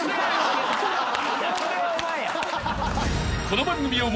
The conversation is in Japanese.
［この番組を］